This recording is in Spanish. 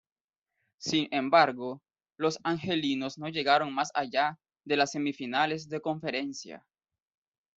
Sin embargo, los angelinos no llegaron más allá de las Semifinales de Conferencia.